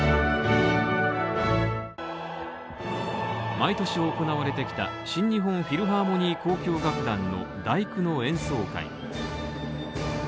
毎年行われてきた新日本フィルハーモニー交響楽団の「第九」の演奏会。